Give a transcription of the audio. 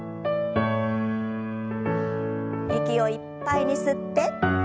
息をいっぱいに吸って。